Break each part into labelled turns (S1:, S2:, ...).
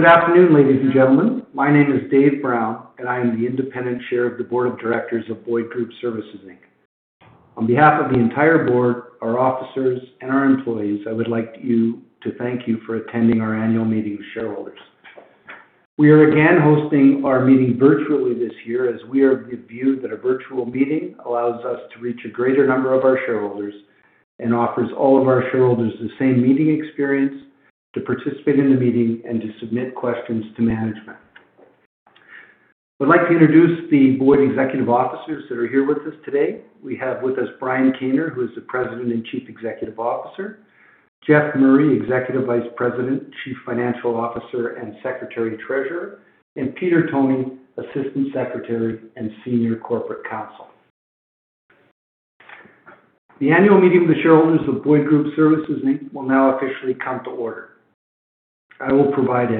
S1: Good afternoon, ladies and gentlemen. My name is David Brown, and I am the Independent Chair of the Board of Directors of Boyd Group Services Inc. On behalf of the entire board, our officers, and our employees, I would like to thank you for attending our annual meeting of shareholders. We are again hosting our meeting virtually this year as we are of the view that a virtual meeting allows us to reach a greater number of our shareholders and offers all of our shareholders the same meeting experience to participate in the meeting and to submit questions to management. I'd like to introduce the Boyd executive officers that are here with us today. We have with us Brian Kaner, who is the President and Chief Executive Officer. Jeff Murray, Executive Vice President, Chief Financial Officer, and Secretary Treasurer, and Peter Toni, Assistant Secretary and Senior Corporate Counsel. The annual meeting of the shareholders of Boyd Group Services Inc. will now officially come to order. I will preside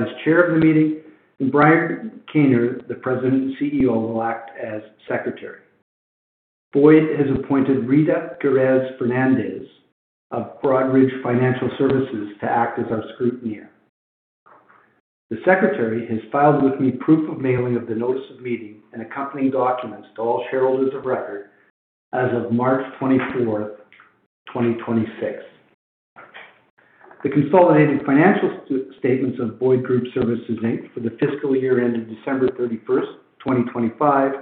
S1: as Chair of the meeting, and Brian Kaner, the President and Chief Executive Officer, will act as secretary. Boyd has appointed Rita Perez Fernandez of Broadridge Financial Solutions to act as our scrutineer. The secretary has filed with me proof of mailing of the notice of meeting and accompanying documents to all shareholders of record as of March 24th, 2026. The consolidated financial statements of Boyd Group Services Inc. for the fiscal year ending December 31st, 2025,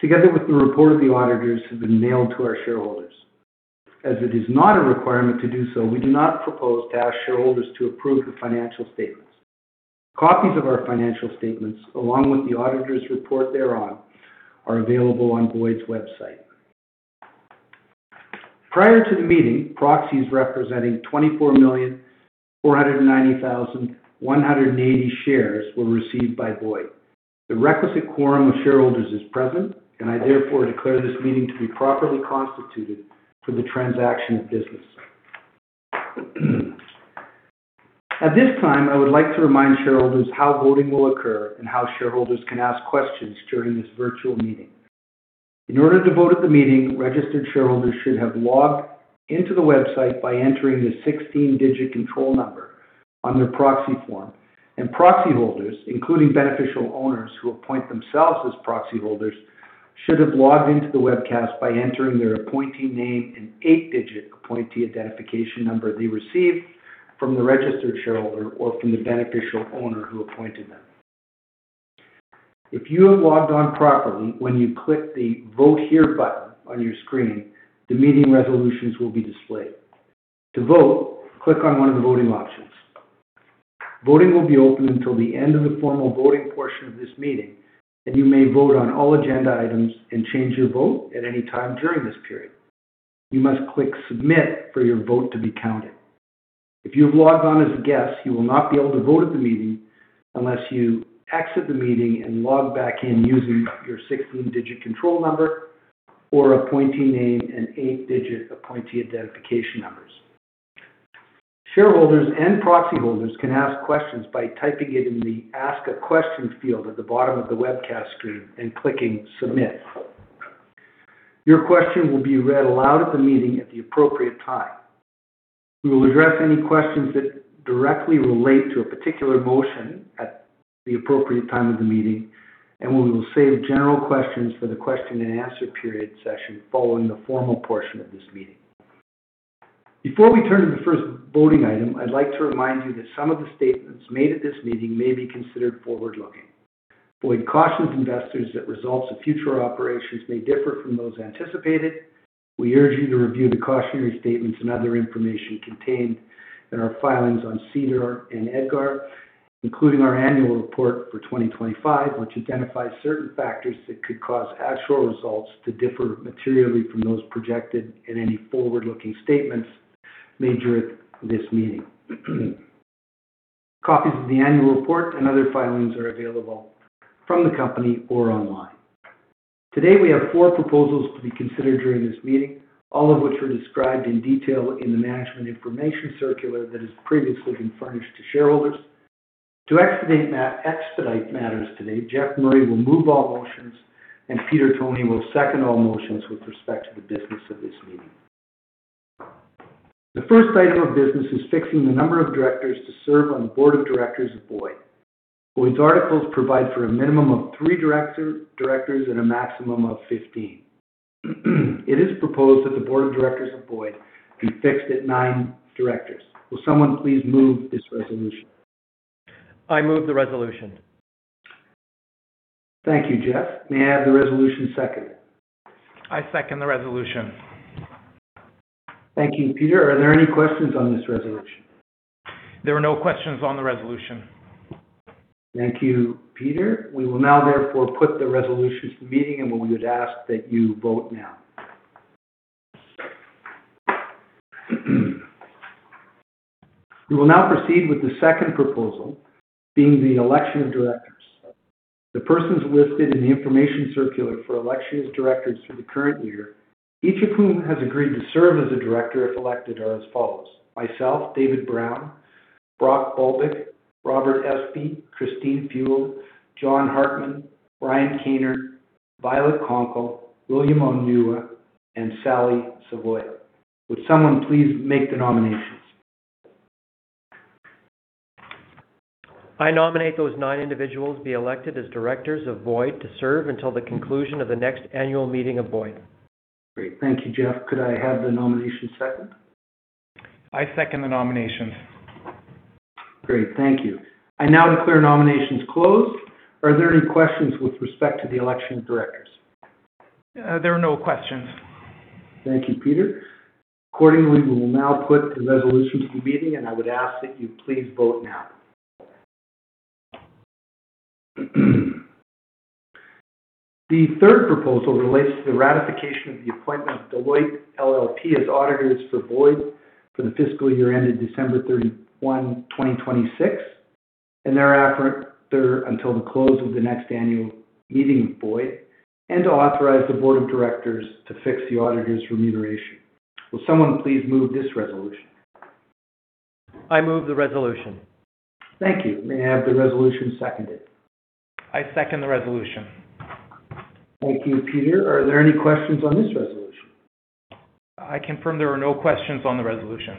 S1: together with the report of the auditors, have been mailed to our shareholders. As it is not a requirement to do so, we do not propose to ask shareholders to approve the financial statements. Copies of our financial statements, along with the auditor’s report thereon, are available on Boyd’s website. Prior to the meeting, proxies representing 24,490,180 shares were received by Boyd. The requisite quorum of shareholders is present, I therefore declare this meeting to be properly constituted for the transaction of business. At this time, I would like to remind shareholders how voting will occur and how shareholders can ask questions during this virtual meeting. In order to vote at the meeting, registered shareholders should have logged into the website by entering the 16-digit control number on their proxy form. Proxy holders, including beneficial owners who appoint themselves as proxy holders, should have logged into the webcast by entering their appointee name and 8-digit appointee identification number they received from the registered shareholder or from the beneficial owner who appointed them. If you have logged on properly, when you click the Vote Here button on your screen, the meeting resolutions will be displayed. To vote, click on one of the voting options. Voting will be open until the end of the formal voting portion of this meeting, and you may vote on all agenda items and change your vote at any time during this period. You must click Submit for your vote to be counted. If you have logged on as a guest, you will not be able to vote at the meeting unless you exit the meeting and log back in using your 16-digit control number or appointee name and 8-digit appointee identification numbers. Shareholders and proxy holders can ask questions by typing it in the Ask a Question field at the bottom of the webcast screen and clicking Submit. Your question will be read aloud at the meeting at the appropriate time. We will address any questions that directly relate to a particular motion at the appropriate time of the meeting, and we will save general questions for the question and answer period session following the formal portion of this meeting. Before we turn to the first voting item, I’d like to remind you that some of the statements made at this meeting may be considered forward-looking. Boyd cautions investors that results of future operations may differ from those anticipated. We urge you to review the cautionary statements and other information contained in our filings on SEDAR and EDGAR, including our annual report for 2025, which identifies certain factors that could cause actual results to differ materially from those projected in any forward-looking statements made during this meeting. Copies of the annual report and other filings are available from the company or online. Today, we have four proposals to be considered during this meeting, all of which are described in detail in the management information circular that has previously been furnished to shareholders. To expedite matters today, Jeff Murray will move all motions, and Peter Toni will second all motions with respect to the business of this meeting. The first item of business is fixing the number of directors to serve on the board of directors of Boyd. Boyd’s articles provide for a minimum of three directors and a maximum of 15. It is proposed that the board of directors of Boyd be fixed at nine directors. Will someone please move this resolution?
S2: I move the resolution.
S1: Thank you, Jeff. May I have the resolution seconded?
S3: I second the resolution.
S1: Thank you, Peter. Are there any questions on this resolution?
S3: There are no questions on the resolution.
S1: Thank you, Peter. We will now therefore put the resolution to the meeting, and we would ask that you vote now. We will now proceed with the second proposal, being the election of directors. The persons listed in the information circular for election as directors for the current year, each of whom has agreed to serve as a director if elected, are as follows: myself, David Brown, Brock Bulbuck, Robert Espey, Christine Feuell, John Hartmann, Brian Kaner, Violet Konkle, William Onuwa, and Sally Savoia. Would someone please make the nominations?
S2: I nominate those 9 individuals be elected as Directors of Boyd to serve until the conclusion of the next annual meeting of Boyd.
S1: Great. Thank you, Jeff. Could I have the nomination second?
S3: I second the nomination.
S1: Great. Thank you. I now declare nominations closed. Are there any questions with respect to the election of directors?
S3: There are no questions.
S1: Thank you, Peter. Accordingly, we will now put the resolution to the meeting, and I would ask that you please vote now. The third proposal relates to the ratification of the appointment of Deloitte LLP as auditors for Boyd for the fiscal year ending December 31, 2026, and thereafter until the close of the next annual meeting of Boyd, and to authorize the board of directors to fix the auditor's remuneration. Will someone please move this resolution?
S2: I move the resolution.
S1: Thank you. May I have the resolution seconded?
S3: I second the resolution.
S1: Thank you, Peter. Are there any questions on this resolution?
S3: I confirm there are no questions on the resolution.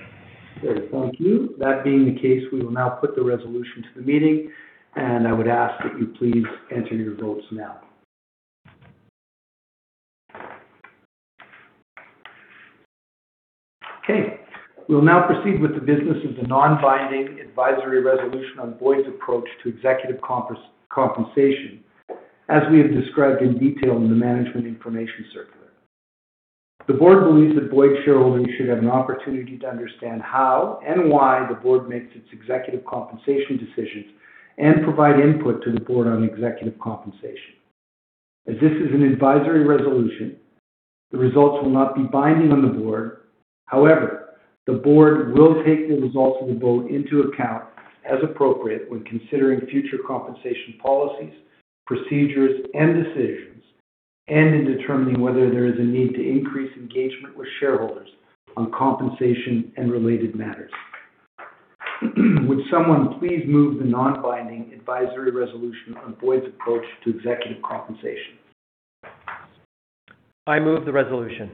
S1: Great. Thank you. That being the case, we will now put the resolution to the meeting, and I would ask that you please enter your votes now. Okay, we'll now proceed with the business of the non-binding advisory resolution on Boyd's approach to executive compensation, as we have described in detail in the management information circular. The board believes that Boyd shareholders should have an opportunity to understand how and why the board makes its executive compensation decisions and provide input to the board on executive compensation. As this is an advisory resolution, the results will not be binding on the board. The board will take the results of the vote into account as appropriate when considering future compensation policies, procedures, and decisions, and in determining whether there is a need to increase engagement with shareholders on compensation and related matters. Would someone please move the non-binding advisory resolution on Boyd's approach to executive compensation?
S2: I move the resolution.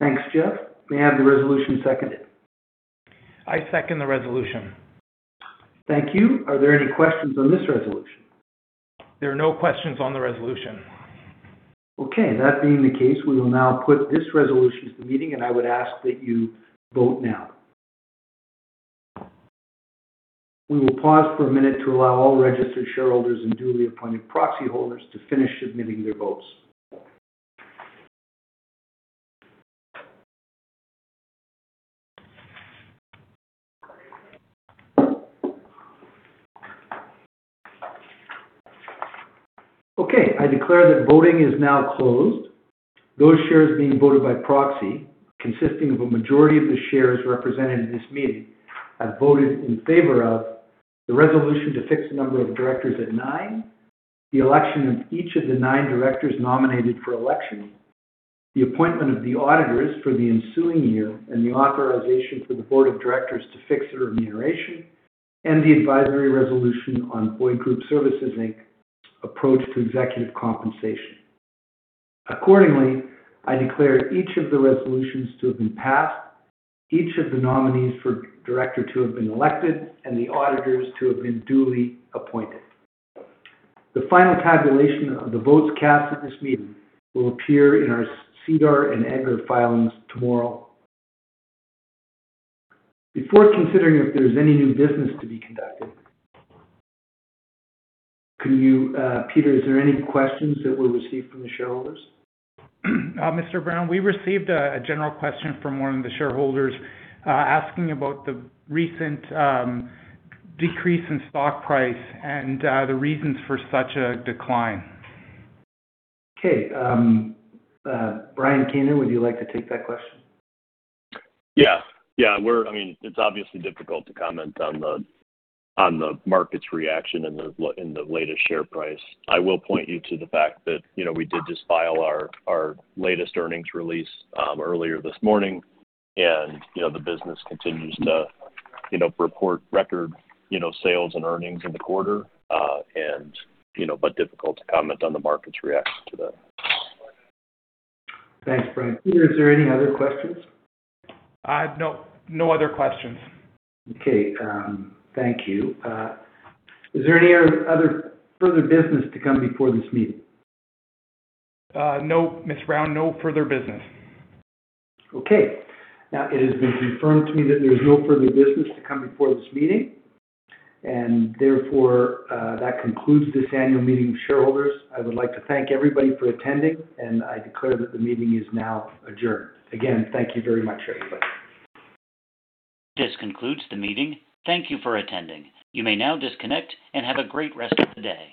S1: Thanks, Jeff. May I have the resolution seconded?
S3: I second the resolution.
S1: Thank you. Are there any questions on this resolution?
S3: There are no questions on the resolution.
S1: Okay. That being the case, we will now put this resolution to the meeting, and I would ask that you vote now. We will pause for 1 min to allow all registered shareholders and duly appointed proxy holders to finish submitting their votes. Okay, I declare that voting is now closed. Those shares being voted by proxy, consisting of a majority of the shares represented in this meeting, have voted in favor of the resolution to fix the number of directors at 9, the election of each of the 9 directors nominated for election, the appointment of the auditors for the ensuing year, and the authorization for the board of directors to fix their remuneration, and the advisory resolution on Boyd Group Services Inc. approach to executive compensation. Accordingly, I declare each of the resolutions to have been passed, each of the nominees for director to have been elected, and the auditors to have been duly appointed. The final tabulation of the votes cast at this meeting will appear in our SEDAR and EDGAR filings tomorrow. Before considering if there's any new business to be conducted, can you, Peter, is there any questions that were received from the shareholders?
S3: Mr. Brown, we received a general question from one of the shareholders, asking about the recent decrease in stock price and the reasons for such a decline.
S1: Okay. Brian Kaner, would you like to take that question?
S4: Yeah. Yeah. I mean, it's obviously difficult to comment on the market's reaction and the latest share price. I will point you to the fact that, you know, we did just file our latest earnings release earlier this morning. The business continues to, you know, report record, you know, sales and earnings in the quarter. Difficult to comment on the market's reaction to that.
S1: Thanks, Brian. Peter, is there any other questions?
S3: No. No other questions.
S1: Thank you. Is there any other further business to come before this meeting?
S3: No, Mr. Brown, no further business.
S1: Okay. Now, it has been confirmed to me that there's no further business to come before this meeting. Therefore, that concludes this annual meeting of shareholders. I would like to thank everybody for attending. I declare that the meeting is now adjourned. Again, thank you very much, everybody.
S5: This concludes the meeting. Thank you for attending. You may now disconnect and have a great rest of the day.